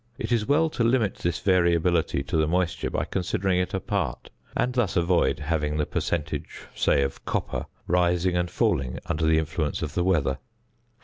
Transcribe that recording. It is well to limit this variability to the moisture by considering it apart, and thus avoid having the percentage, say, of copper rising and falling under the influence of the weather.